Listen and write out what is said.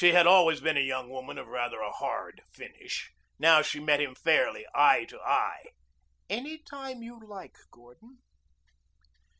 She had always been a young woman of rather a hard finish. Now she met him fairly, eye to eye. "Any time you like, Gordon."